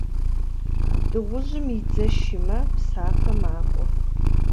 Дыгъужьым и дзэ шымэ псафэ макӏуэ.